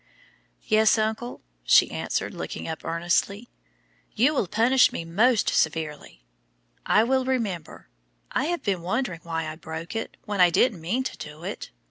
"Yes, uncle," she answered, looking up earnestly. "'You will punish me most severely.' I will remember. I have been wondering why I broke it, when I didn't mean to do it.